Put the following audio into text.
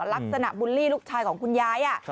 ลักษณะบุลลี่ลูกชายของคุณยาย